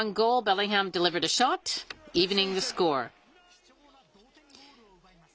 貴重な同点ゴールを奪います。